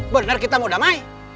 bener kita mau damai